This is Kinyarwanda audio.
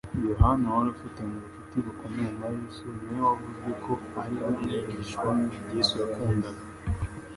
Yohana wari ufitanye ubucuti bukomeye na Yesu ni we wavuzwe ko ari we mwigishwa Yesu yakundaga.